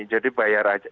jadi bayar aja